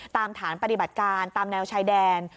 ตามฐานปฏิบัติการตามแนวชายแดน